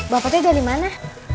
bapaknya dari mana